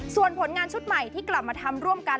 ส่วนผลงานชุดใหม่ที่กลับมาทำร่วมกัน